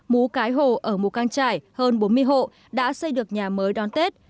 mú cái hộ ở mù cang trải hơn bốn mươi hộ đã xây được nhà mới đón tết